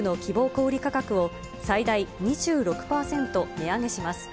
小売り価格を、最大２６％値上げします。